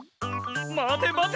まてまて！